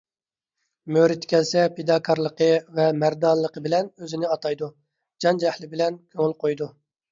مۆرىتى كەلسە پىداكارلىقى ۋە مەردانىلىقى بىلەن ئۆزىنى ئاتايدۇ، جان - جەھلى بىلەن كۆڭۈل قويىدۇ.